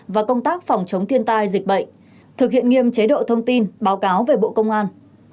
và công tác phòng chống thiên tai dịch bệnh thực hiện nghiêm chế độ thông tin báo cáo về bộ công an